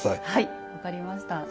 はい分かりました。